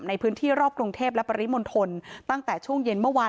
ในพื้นที่รอบกรุงเทพและปริมณฑลตั้งแต่ช่วงเย็นเมื่อวาน